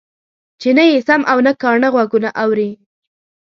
چې نه يې سم او نه کاڼه غوږونه اوري.